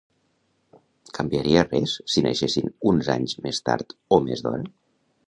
Canviaria res si naixessin uns anys més tard o més d'hora?